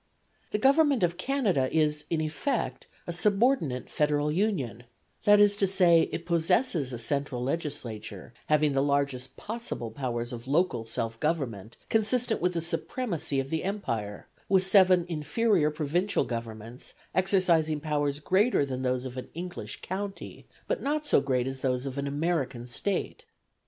The Government of Canada is, in effect, a subordinate federal union; that is to say, it possesses a central Legislature, having the largest possible powers of local self government consistent with the supremacy of the empire, with seven inferior provincial Governments, exercising powers greater than those of an English county, but not so great as those of an American State.